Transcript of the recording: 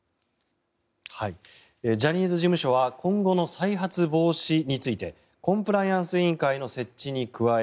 ジャニーズ事務所は今後の再発防止についてコンプライアンス委員会の設置に加え